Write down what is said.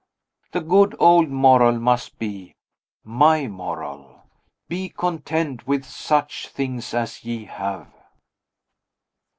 The good old moral must be my moral: "Be content with such things as ye have."